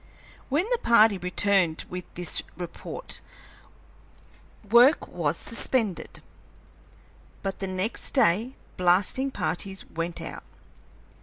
When the party returned with this report work was suspended, but the next day blasting parties went out.